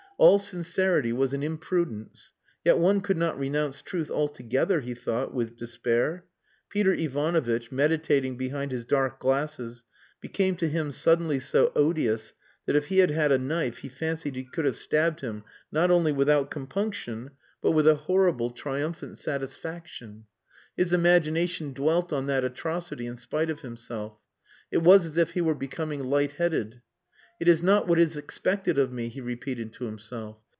All sincerity was an imprudence. Yet one could not renounce truth altogether, he thought, with despair. Peter Ivanovitch, meditating behind his dark glasses, became to him suddenly so odious that if he had had a knife, he fancied he could have stabbed him not only without compunction, but with a horrible, triumphant satisfaction. His imagination dwelt on that atrocity in spite of himself. It was as if he were becoming light headed. "It is not what is expected of me," he repeated to himself.